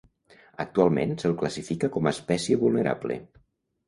Actualment se'l classifica com a espècie vulnerable.